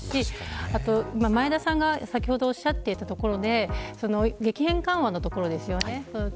あとは、前田さんが先ほどおっしゃっていたところで激変緩和のところですよね。